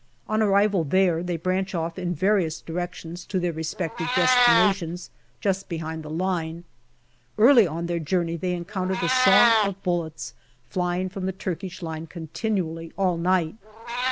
On arrival there they branch off in various directions to their respective destinations, just behind the line. Early on their journey they encounter the song of bullets flying from the Turkish line continually all night.